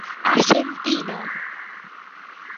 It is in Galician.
Arxentina.